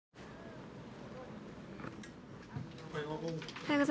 おはよう。